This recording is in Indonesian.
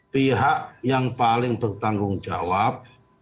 pihak yang paling bertanggung jawab